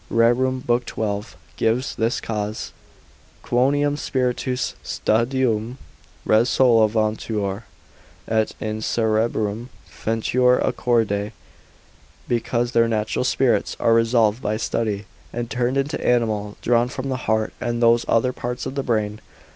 12, gives this cause, Quoniam spiritus sapientum ob studium resolvuntur, et in cerebrum feruntur a corde: because their natural spirits are resolved by study, and turned into animal; drawn from the heart, and those other parts to the brain.